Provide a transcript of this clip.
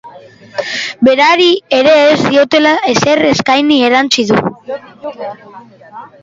Berari ere ez diotela ezer eskaini erantsi du.